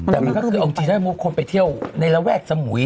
แต่มันก็คือเอาจริงถ้าคนไปเที่ยวในระแวกสมุย